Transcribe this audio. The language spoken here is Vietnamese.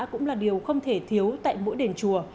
cũng là điều không thể thiếu tại mỗi đền chùa